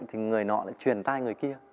thì người nọ lại truyền tay người kia